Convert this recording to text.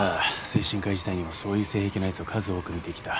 精神科医時代にもそういう性癖のやつを数多く見てきた。